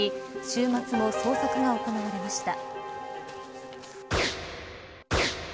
週末も捜索が行われました。